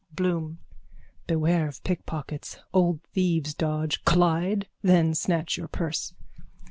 _ BLOOM: Beware of pickpockets. Old thieves' dodge. Collide. Then snatch your purse.